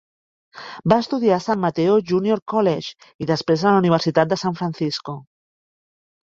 Va estudiar a San Mateo Junior College i després a la Universitat de San Francisco.